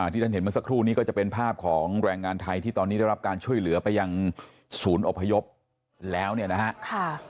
ที่ท่านเห็นเมื่อสักครู่นี้ก็จะเป็นภาพของแรงงานไทยที่ตอนนี้ได้รับการช่วยเหลือไปยังศูนย์อพยพแล้วเนี่ยนะฮะ